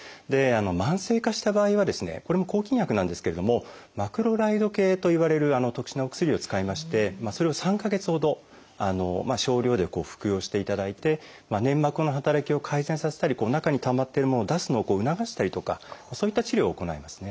慢性化した場合はですねこれも抗菌薬なんですけれども「マクロライド系」といわれる特殊なお薬を使いましてそれを３か月ほど少量で服用していただいて粘膜の働きを改善させたり中にたまっているものを出すのを促したりとかそういった治療を行いますね。